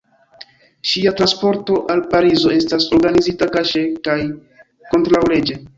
Ŝia transporto al Parizo estas organizita kaŝe kaj kontraŭleĝe.